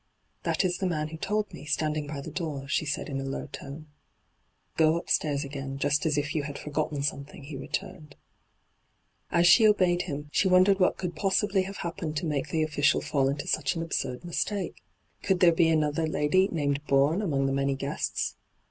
' That is the man who told me, standing hy the door,' she said in a low tone. ' Go upstaii^ again, just as if you had forgotten something,' he returned. As she obeyed him, she wondered what could possibly have happened to make the official fall into such an absurd mistake. Could there be another lady named Bourne among the many guests